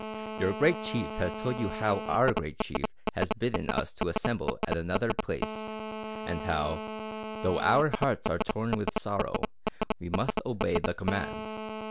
Your Great Chief has told you how our Great Chief has bidden us to assemble at another place and how, though our hearts are torn with sorrow, we must obey the command.